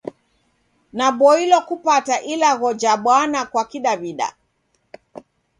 Naboilwa kupata Ilagho ja Bwana kwa Kidaw'ida.